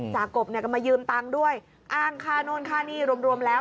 จากกบก็มายืมตังค์ด้วยอ้างค่านน้อยค่านี้รวมแล้ว